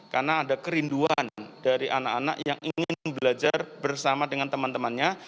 karena ada kerinduan dari anak anak yang ingin belajar bersama dengan teman temannya